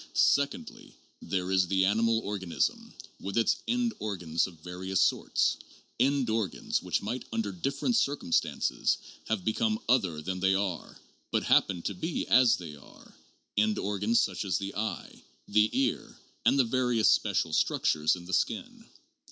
Secondly, there is the animal organism, with its end organs of various sorts, end organs which might under different circumstances have become other than they are but happen to be as they are, end organs such as the eye, the ear, and the various special structures in the skin.